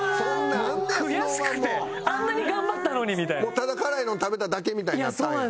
ただ辛いの食べただけみたいになったんや。